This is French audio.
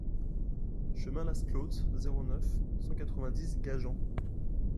Chemin Las Clotes, zéro neuf, cent quatre-vingt-dix Gajan